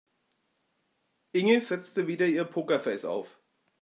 Inge setzte wieder ihr Pokerface auf.